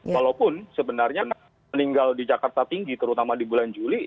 walaupun sebenarnya meninggal di jakarta tinggi terutama di bulan juli